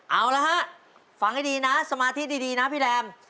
เอาละฮะฟังให้ดีนะสมาธิดีนะพี่แรม